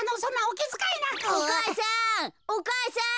お母さん！